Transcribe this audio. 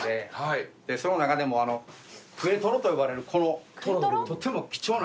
その中でもくえトロと呼ばれるこのとても貴重な。